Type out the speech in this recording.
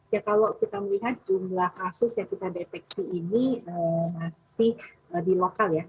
ya kalau kita melihat jumlah kasus yang kita deteksi ini masih di lokal ya